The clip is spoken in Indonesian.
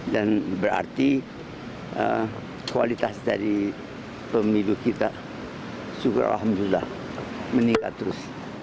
dan berarti kualitas dari pemilu kita syukur allah meningkat terus